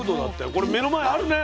これ目の前あるね。